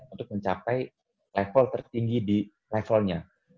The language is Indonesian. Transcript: untuk mencapai level tertinggi di levelnya